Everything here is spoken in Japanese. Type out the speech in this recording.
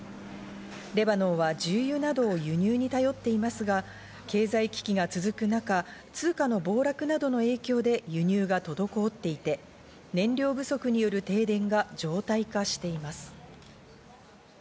レバノンは重油などを輸入に頼っていますが、経済危機が続く中、通貨の暴落などの影響で輸入が滞っていて、燃料不足による停電が常態化しています。